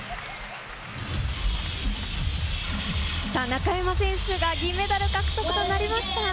中山選手が銀メダル獲得となりました。